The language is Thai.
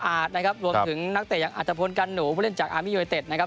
นะครับรวมถึงนักเตะอย่างอัตภพลกันหนูผู้เล่นจากอาร์มียูไนเต็ดนะครับ